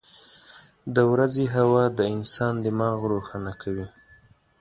• د ورځې هوا د انسان دماغ روښانه کوي.